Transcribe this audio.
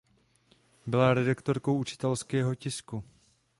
Byla redaktorkou učitelského tisku.